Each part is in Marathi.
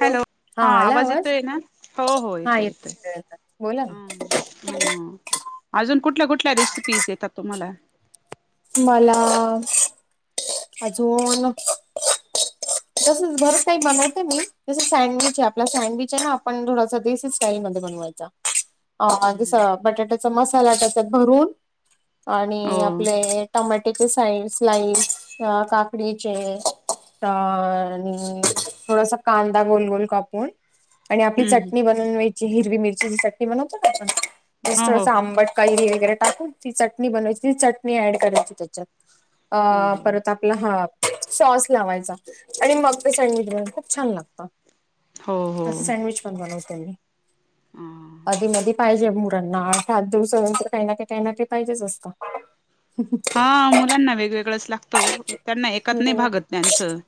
हॅलो, हा आवाज येतोय ना? हो, हो हा येतोय येतो येतोय. येतो येतो बोला ना. ह ह अजून कुठल्या कुठल्या रेसिपी येत्याता तुम्हाला ‌? मला अजून ‌ [inaudible] तसंच बरंच काई‌ बनवते मी जसं सॅंडविच हाय. आपला सॅंडविच हाय ना आपण थोडासा देसी स्टाईल मध्ये बनवायचा. [inaudible] अ जस, बटाट्याचा मसाला त्याच्यात भरून आणि हो आपले टमाट्याचे साई स्लाईज, अ काकडीचे अ आणि थोडसं कांदा गोल गोल कापून, आणि आपली हम्म चटणी बनवायची. हिरवी मिरचीची चटणी बनवतोना आपण हो हो थोडसं आंबट कैरी वगैरे टाकून‌ ती चटणी बनवायची. ती चटणी‌ ऍड करायची त्याच्यात. अ हो हो परत हा सॉस लावायचा आणि मग ते सँडविच बनत खूप छान लागतं. हो हो असं सँडविच पण बनवते मी. आधी मधी ‌ पाहिजे मुलांना [unintelligible] ‌काई‌ना काईना काई पाहिजेच असतं. हा मुलांना वेगवेगळ्यच लागत. हो. त्यांना एकात नाई वेगळं भागत त्यांचं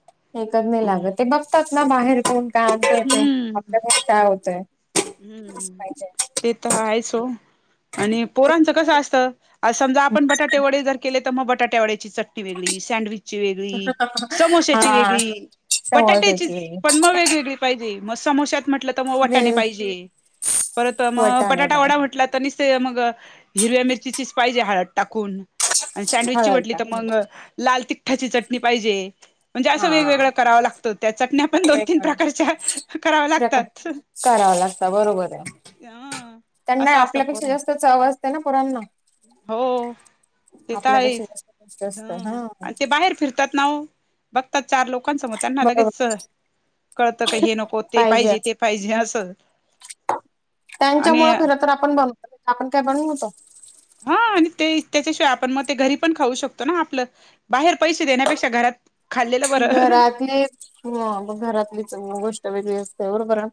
एकच नाही ‌. [unintelligible] हम्म. पाहिजे. ते तर हायच हो आणि पोरांचं कसं आसत, अ समजा आपण बटाटे वडे जर केले तर बटाटा वड्याची चटणी वेगळी. सँडविच ची वेगळी, समोशाची हा वेगळी, समोसाची बटाटाचीच वेगळी पण मग वेगवेगळी पाहिजे. मग समोशात म्हटलं तर वटाने वेगळी पाहिजे. परत मग वटाणे बटाटा बाय वडा म्हटलंत तर निसते मग हिरव्या मिरचीचीच पाहिजे हळद टाकून. अन सँडविची हळद म्हटली टाक तर मग लाल तिखटाची चटणी पाहिजे. म्हणजे हा असं वेगवेगळं करावं लागतं. त्या चटण्या पन दोन-तीन वेगवेगळे प्रकारच्या कराव्या प्रकार लागतात. करावं लागता बरोबर हाय. ह त्यांना असं असतं पोर आपल्यापेक्षा जास्त चाव असते ना पोरांना. हो ते तर आहेच आपल्यापेक्षा जास्त हा. त्यात नाओ बघतात चार लोक [unintelligible] त्यांना बरोबर लगेच कळतं का हे नको, ते पाहिजे, ते पाहिजे असं. आणि त्यांच्यामुळे खरं तर आपण बनवतो. आपण काय बनवत होतो. हा आणि ते त्याच्याशिवाय आपण ते घरी पण खाऊ शकतो ना आपलं बाहेर पैशे देण्यापेक्षा घरात खाल्लेलं बरं घरातली हो घरातलीच गोष्ट वेगळी असते बरोबर अ.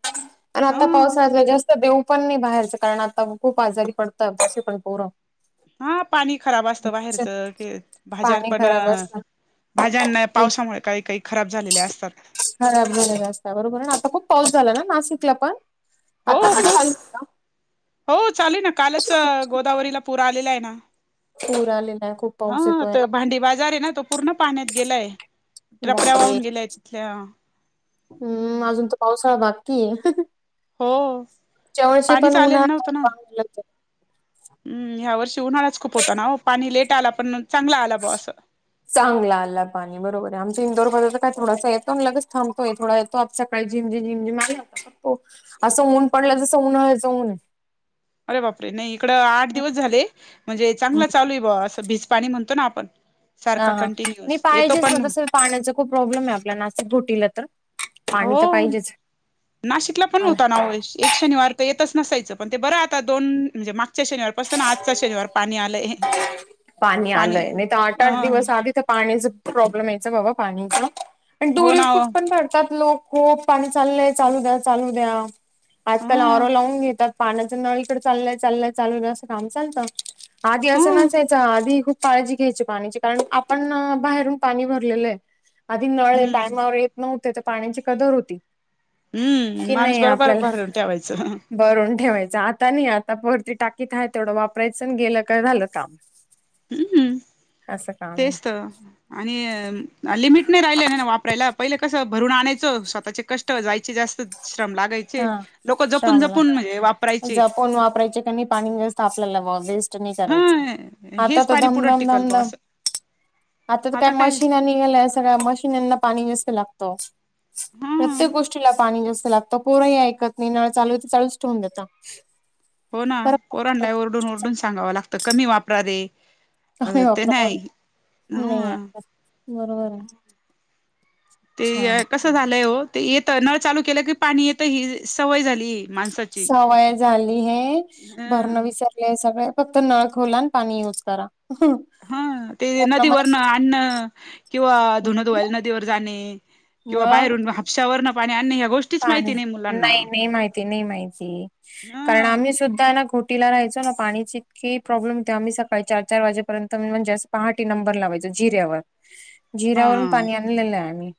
अन हा आता पावसाळ्यात वेगळाच त‌र देऊ पन नई बाहेरचं करणार. खूप आजारी पडता अशे पन पोरं. हा पाणी खराब असतं बाहेरचं ते‌ भाजार पाणी पन खराब असतं भाज्यांना पावसामुळे काई काई खराब झालेल्या असतात. खराब झालेल्या असता बरोबरेना आता खूप पाऊस झाला ना नाशिकला पण हो आता पण खूप चालू का हो चालू एना कालच गोदावरीला पूर आलेला एना पूर आलेला आहे खूप हा पाऊस येतोय त ना भांडी बाजार एना तो पूर्ण पाण्यात गेलाय. टपऱ्या बापरे वाहून गेल्या त्या हम. हम्म अजून तर पावसाळा बाकीए ह ह हो पुढच्या वर्षी पण पाणीच आलेलं उन्हाळा [unintelligible] हम् ह्या वर्षी उन्हाळाच खूप होता ना ओ पाणी लेट आला पण मग चांगला आला बोआ असं. चांगला आला पानि बरोबरे आमच्या इंदोर मध्ये त काय थोडासा येतो अन‌ लगेच थांबतोय थोडा. तो आप सकाळी झिम झिम झिम झिम आला होता तो असा ‌ ऊन पडला ‌ जसा उन्हाळ्याचा ऊन ‌ए आरे बापरे नई इकडं ‌आट दिवस झाले. म्हणजे ‌ हम्म. चांगला चालू ए बो असं भिज पाणी म्हणतो ना आपण ‌ हा हा नि पाहिजे ‌ना तसं पाण्याचं खूप ‌ प्रॉब्लेमे आपल्या नासिक घोटीला तर. पाणी तर हो पाहिजेच नाशिकला पण मला होताना हो एक शनिवार. येतच नसायचं पण ते बरं आता दोन म्हणजे मागच्या शनिवार पासं ना आजचा शनिवार पाणी आलं य. पाणी आलंय नाही तर आठ आठ दिवस आधी तर पाणीच प्रॉब्लेम यायच बाबा पाणीच. आणि हो ना दुरीपूस हो पण भरतात लोक खूप पाणी चाललंय चालू द्या चालू द्या. [unintelligible] आजकाल ह आरो लावून घेतात. पाण्याचं नळ इकडं चाललंय चाललंय चालुक दया असं काम चालतं आधी ह असं नाच. तेच आधी खूप काळजी घ्यायची पाणीची कारण आपण बाहेरून पाणी भरलेलं आहे. आदी नळ हम्म टायमावर येत नव्हते तर पाण्याची कदर होती. हम्म माणूस बरोबर भरून ठेवायचं. बरून ठेवायचं आता नी आता वरती टाकीत आहे तेवढं वापरायचं आणि गेलं काय झालं काम. हम् हम् असं काम आहे तेच तर आणि लिमिट नाही राहिलंय न वापरायला पहिले कसं भरून आणायचं स्वतःचे कष्ट जायचे जास्त श्रम लागायचे. हा लोक जपून जपून म्हणजे वापरायचे. कोण वापरायचे काणी. पाणी जास्त आपल्याला व बेस्ट नाही हा करायचं आता हेच तर पाणी पुढं धमधम टिकल ब धमधम. असं आता तर काय मशीननी निघाल्या स आता मशिनिना पाणी जास्त लागत हा प्रत्येक गोष्टीला पाणी जास्त लाग त पोरही ऐकत नाही नळचालू तर चालूच ठेवून देतता. हो ना पोरांला ओरडून ओरडून सांगावं लागतं कमी वापरा रे. अ का ते वापरा नाही नाही ह बरोबर आहे. [unintelligible] ते छान कसं झालंय हो ते येत नळ चालू केलं कि पाणी येत ही सवय झाली. माणसाची सवय झाली हे करण अ विसर हे सगळे फक्त नळ खोला आणि युज करा. हा ते नदीवरन आणन् किंवा धुन धुवायला नदीवर जाणे. किंवा बाहेरून हापश्यावर न पाणी आणणे ह्या गोष्टी. पाणि नाही नाही माहिती नाही माहिती ह कारण आम्ही सुद्धा ना ख तिला राहायच न पाणीची इतकी प्रॉब्लेम होते आम्ही सकाळी चार चार वाजेपर्यंत म्हणजे जास्. पहाटे नंबर लावायच जिऱ्यावर. ह. [unintelligible] जिरा्यावरून पाणी आणलेलं आहे आम्ही.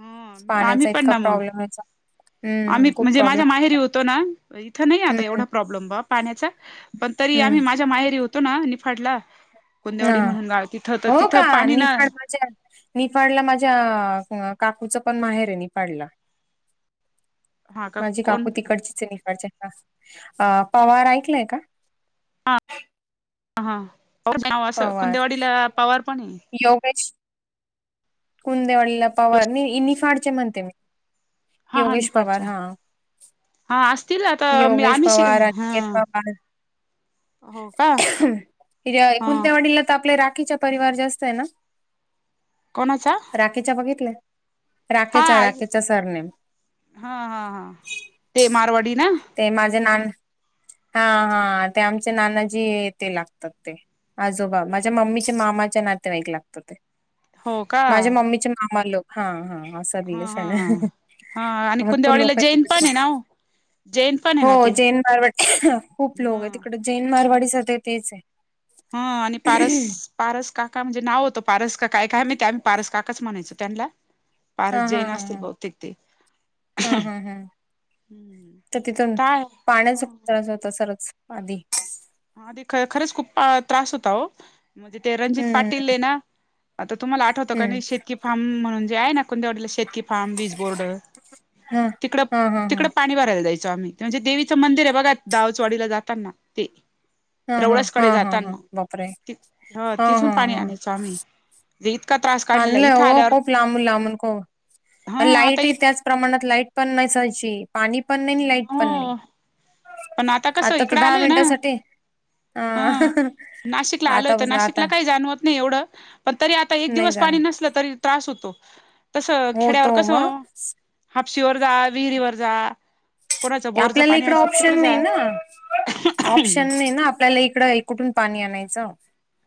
ह आम्ही पाण्याचा पण इतका ना मग. प्रॉब्लेम व्हायचा आम्ही हम्म खूप म्हणजे प्रॉब्लेम माझ्या माहेरी होतो न इथं नाही आता हम्म एवढं. प्रॉब्लेम बा पाण्याचा पण तरी आम्ही हम्म माझ्या माहेरी होतो ना निफाडला हा बुंदेवाडी म्हणून गाव तिथं तर हो तिथं का पाणी ना [unintelligible] निफाडला माझ्या काकूच पण माहेर आहे निफाडला हा का माझी काकू कोण तिकडचीचये निफाडची आ पवार ऐकलय का अ हा असं पवार कुंद्यावाडीला पवार पण हे योगेश कुंदेवालीला पवार नई निफाडचे म्हणते मी हा हा योगेश पवार निफाडच्या हा हा असतील आता मी योगेश आम्ही पवार ह अंकित पवार हो का हा कुंदेवाडीला तर आपल्या राखीच्या परिवार जास्त आहे ना कोणाचा राखेच्या बघितल हा राखेच्या आई राखेच्या सरनेेम हा हा हा ते मारवाडी ना ते माझे नान हा हा ते आमच्या नानाचे ते लागतात ते आजोबा माझ्या मम्मीचे मामाचे नातेवाईक लागत ते हो का माझ्या मम्मीचे मामा लोक हा हा असं बघिले हा सगळ हा हा आणि भरपूर लोक कुंदेवाडीला जैन आहेत पण आहे ना [unintelligible] हो जैन पण आहे हो ना ते जैन मारवाडी खूप लोक हा आहे तिकड जैन मारवाडी सध्या तेच आहे हा आणि पारस पारस काका म्हणजे नाव होत पारस का काय काय माहिती आम्ही पारस काकाच म्हणायचो त्यांनला हा पारस जैन असतील बहुतेक ते हू हू हू हम्म तर तिथून काय पाण्याचा खूप त्रास होत सरच आधी आधी काय खरंच खूप त्रास होता ओ म्हणजे ते रणजित हम्म पाटील हेना आता तुम्हाला आठवतं का हम्म नई शेती फार्म म्हणून जे आहे ना कुंदेवाडीला शेती फार्म बीज बोर्ड हा तिकडं हा हा हा तिकडं पाणी भरायला जायचं आम्ही म्हणजे देवीचं मंदिर आहे बघा दावचवाडीला जाताना ते हू हू हा रवळसकडे हा हा जाताना बापरे हा हा हा स्वामी जे इतका त्रास आणलंय ओ खूप लांबून लांबून खूप हा आणि आता इ लाईटही त्याच प्रमाणात लाईट पण नसायची पाणी पण नाही आणि लाईट पण नाही हो पण आता कसं तर इकड दहा आलोय ना मिनिटासाठी अ हा नाशिकला आलोय तर आतापासून आता नाशिकला काही जाणवत नाही एवढं पण तरी आता एक नाही दिवस जाणार पाणी कसला तरी त्रास होतो तस हो खेड्यावर तो कस मग हापशीवर जा विहिरीवर जा कोणाचं बोरचं आपल्याला पाणी इकड असेल तिकडे ऑप्शन नाही जा ना ऑप्शन नाही ना आपल्याला इकड कुठून पाणी आणायचं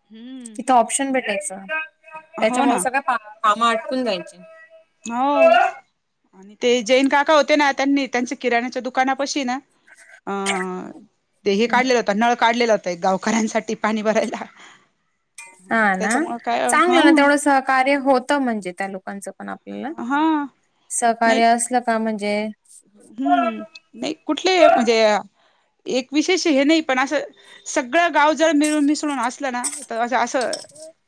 हू तिथं ऑप्शन भेटायच ना त्याच्यामुळे सगळ काम आटकून जायचे हो आणि ते जैन काका होतेना त्यांनी त्यांचे किराण्याच्या दुकाना पाशीना अ ते हे काढलेलं होता नळ काढलेला होता ते गावकऱ्यांसाठी पाणी भरायला हा ना, त्याच्यामुळं काय ह चांगलं ना तेवढं सहकार्य होत त म्हणजे त्या लोकांचं पण आपल्याला, हा नाही सहकार्य असलं का म्हणजे हम्म, नाही कुठले म्हणजे, एक विशेष हे नाही पण असं सगळं गाव जर मिळून मिसळून असलं ना, तर अस असं,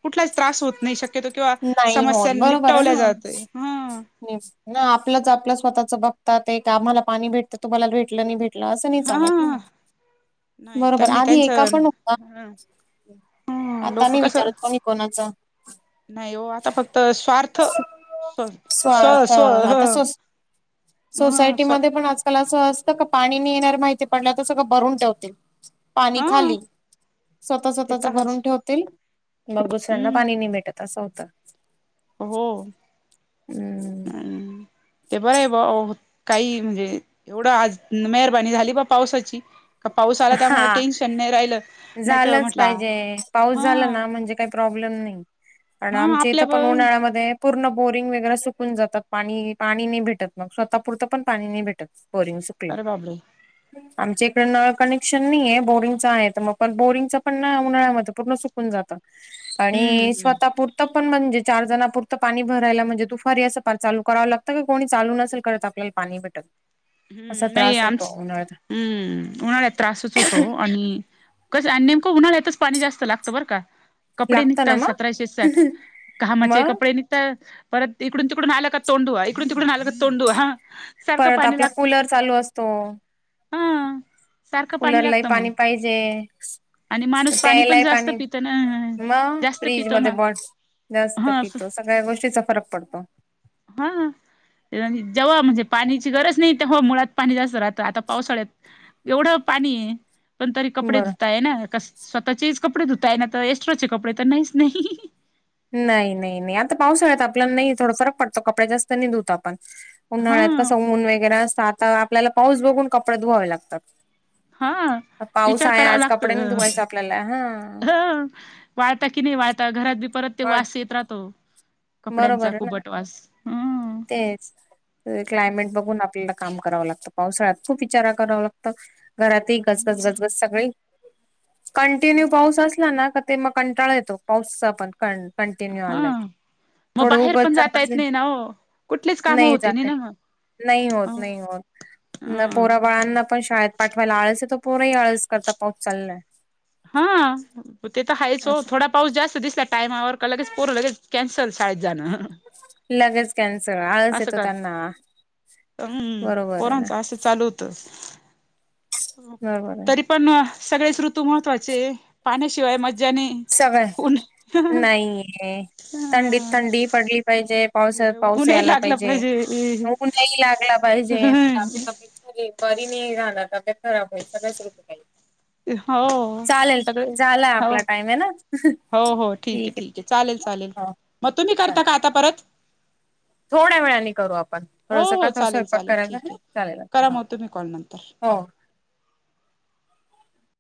कुठलाच त्रास होत नाही शकत तो किंवा नाही समस्या निपटवल्या जाते, हं. तेच, ना आपलंच आपलं स्वतःच बघतात ते, आम्हाला पाणी भेटतं, तुम्हाला भेटलं नाही भेट म्हटलं असं नाही चालत ना, हा नाही बरोबर त्यांनी आधी एका त्यांचं पण ह आता लोक मी कसं विचारत पण नाही कोणाचं नाही हो आता फक्त स्वार्थ, स् स्व स्वार्थ स्व आता हं सो सोसायटीमध्ये त्याला अस असतं का, पाणी नही येणारे माहिती पडलं तर सगळं भरून ठेवते. पाणी हा खाली, स्वतः ते स्वतःच तर हायच भरून ठेवतील, मग दुसऱ्यांना हम्म पाणी नाही भेटत. तसं होतं. हो हम्म हम्म. ते बरं आहे बाबा, काही म्हणजे, एवढं आज मेहरबनी झाली बा पावसाची. का पाऊस आला त्यामुळे हा टेन्शन नाही राहिलं, नाही तर झालंच म्हंटलं हं. काय प्रॉब्लेम नाही, कारण आमच्या इथं आपल्या ब पण उन्हाळ्यामध्ये पूर्ण बोरिंग वगैरे सुकून जातात, पाणी पाणी नाही भेटत मग, स्वतःपुरतं पण पाणी नाही भेटत. बोरिंग सुकलं, अरे बाबरे आमच्या इकडं नळ कनेक्शन नाहीये, बोरिंगच आहे मग पण बोरिंगच पण ना उन्हाळ्यामध्ये पूर्ण सुकून जातं. हम्म आणि हम्म स्वतापूर त पण म्हणजे चार जणापुरतं पाणी भरायला म्हणजे तू फारी असं चालू कराव लागतं, का कोणी चालू नसेल करत आप नाही पाणी भेटत. [inaudible] असा नाही त्रास होतो आमच उन्हाळ्यात. हम्म. उन्हाळ्यात त्रासच होतो आणि, कसं आणि नेमकं उन्हाळ्यातच पाणी जास्त लागत बरं का. कपडे लागतं ना निघतात सतराशे साठ, मग घामाचे मग कपडे निघता परत इकडून तिकडून आलं का तोंड धुवा, इकडून तिकडून आलं का तोंड धुवा, हां. परत आपला कूलर चालू असतो. हा सारखं कुलर लाही लागतं मग पाणी पाहिजे. आणि माणूस पाणी पण प्यायलाही जास्त पाणी, पित ना मग, जास्त फ्रीज पितो मध्ये ना बॉट जास्त हा पितो, सगळ्या गोष्टीचा फरक पडतो. हां. जेव्हा म्हणजे पाण्याची गरज नाही, तेव्हा मुळात पाणी जास्त राहतं, आता पावसाळ्यात एवढं पाणी पण तरी कपडे बरं धुता येना, कसं स्वतःचेच कपडे धुता येना तर एक्स्ट्राचे कपडे तर नाहीच नाही. नाही नाही नाही, आता पावसाळ्यात आपल्याला नाही थोडा फरक पडतो, कपडे् जास्त नाही धुत आपण. हा उन्हाळ्यात कसं ऊन वगैरे असतं, आता आपल्याला पाऊस बघून कपडे धुवावे लागतात. हा पाऊस विचार आहे करावा आज, कपडे नाही लागत धुवायच आपल्याला, हां. ह वाळता की नाही वाळता, घरात बी परत ते ह वास येत राहतो, कपड्यांचा बरोबर आहे ना कुबट वास, हं तेच. क्लायमेट बघून आपल्याला काम करावं लागतं, पावसाळ्यात खूप विचार करावं लागतं ‌. घरातही गजबज गजगज सगळी, कंटिन्यू पाऊस असला ना का ते मग कंटाळा येतो, पाऊसचा पण क कंटिन्यू आला तर हा मग बाहेर पण जाता येत नाही ना ओ कुठलीच कामं होती नाही ना नाही होत नाही होत [inaudible] पोरा बाळांना पण शाळेत पाठवायला आळस येतो पोरही आळस करता पाऊस चाललाय हा म ते तर हायच ओ असं थोडा पाऊस जास्त दिसला टायमावर का लगेच पोरं लगेच कॅन्सल शाळेत जाणं लगेच कॅन्सल आळस असं येतो कर त्यांना बरोबर आहे अस चालु तस बरोबर आहे तरी पण सगळेच ऋतू महत्वाचे पाण्याशिवाय मज्जा नाही. उन सगळं नाहीे थंडीत हं थंडी पडली पाहिजे पावसाळ्यात पाऊस ही ऊनही आला लागलं पाहिजे ऊनही लागला पाहिजे आणि नाही तर आपली तब्येत बरी नाही राहणार तब्येत खराब होईल सगळ्याच ऋतू पाहिजे हो चालेल सगळे झालाय हो आपला टाईम हे ना हो हो ठीक ठीक चालेल आहे चालेल हो मग तुम्ही करता चालेल का आता परत थोड्या वेळानी करू आपण हो थोडंस का हो तर चालेल स्वयंपाक चालेल करायचा ठीक आहे चालेल करा मग तुम्ही कॉल नंतर हो